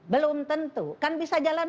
belum tentu kan bisa jalan